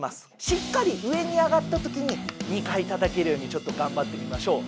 しっかり上に上がったときに２回たたけるようにちょっとがんばってみましょう。